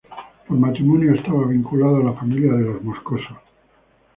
Por matrimonio estaba vinculado a la familia de los Moscoso.